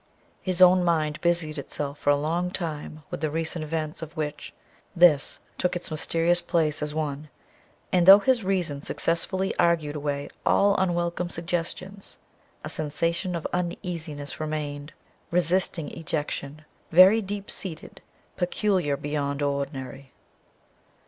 His own mind busied itself for a long time with the recent events, of which this took its mysterious place as one, and though his reason successfully argued away all unwelcome suggestions, a sensation of uneasiness remained, resisting ejection, very deep seated peculiar beyond ordinary.